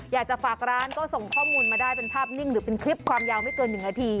อยากจะฝากร้านก็ส่งข้อมูลมาได้เป็นภาพนิ่งหรือเป็นคลิปความยาวไม่เกิน๑นาที